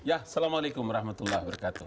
assalamualaikum warahmatullahi wabarakatuh